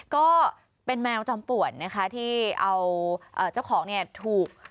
ก็เป็นแมวจอมป่วนนะคะที่เอาเจ้าของเนี่ยถูก